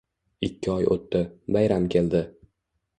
Ikki oy o'tdi. Bayram keldi.